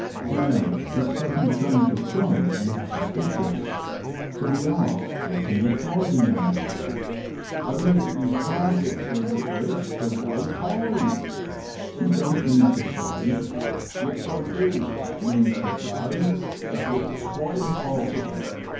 Now, this sudden change of front looked suspicious ;. so we asked what he was driving at. " Only that you can't get through the bridge till low tide." «* You don't mean to say "*« Yes, I do ' mean to say ' that it's quite impossible.